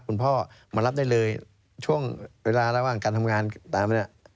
คุณพ่อมารับได้เลยช่วงเวลาระหว่างการทำงานตามมาเนี่ย